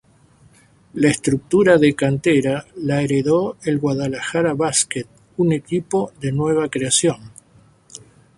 La estructura de cantera la heredó el Guadalajara Basket, un equipo de nueva creación.